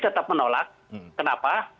tetap menolak kenapa